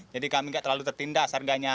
jadi kami gak terlalu tertindas harganya